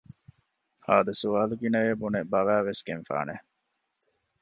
ހާދަ ސުވާލުގިނައޭ ބުނެ ބަވައިވެސް ގެންފާނެ